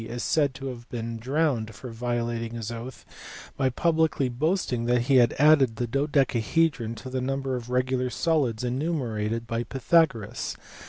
is said to have been drowned for violating his oath by publicly boasting that he had added the dodecahedron to the number of regular solids enumerated by Pythagoras.